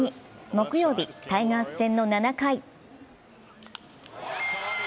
木曜日、タイガース戦の７回。